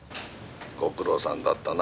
ご苦労さんだったな。